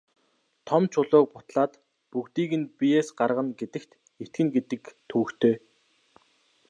Том чулууг бутлаад бүгдийг нь биеэс гаргана гэдэгт итгэнэ гэдэг төвөгтэй.